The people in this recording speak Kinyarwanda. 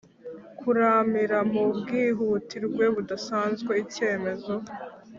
kuramira mu bwihutirwe budasanzwe Icyemezo